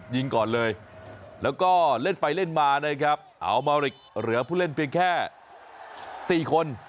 ยิงก่อนเลยแล้วก็เล่นไปเล่นมานะครับอัลมาริกเหลือผู้เล่นเพียงแค่๔คน